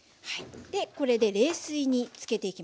これで冷水につけていきます。